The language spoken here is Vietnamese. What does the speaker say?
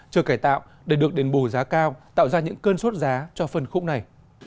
chờ cải tạo để được đền bù giá cao tạo ra những cơn suốt giá cho phân khúc này